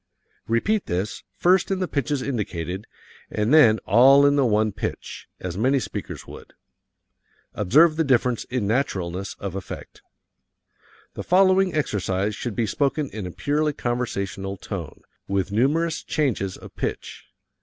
Repeat this, first in the pitches indicated, and then all in the one pitch, as many speakers would. Observe the difference in naturalness of effect. The following exercise should be spoken in a purely conversational tone, with numerous changes of pitch.